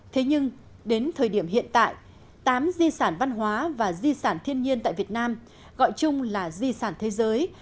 thế nhưng đến thời điểm hiện tại tám di sản văn hóa và di sản thiên nhiên tại việt nam gọi chung là di sản thế giới